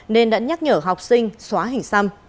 nên đã nhắc nhở học sinh xóa hình xăm